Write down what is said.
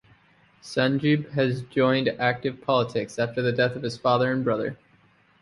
Sanjib has joined active politics after the death of his father and brother.